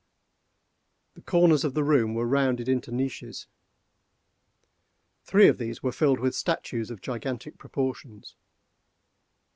The corners of the room were rounded into niches. Three of these were filled with statues of gigantic proportions.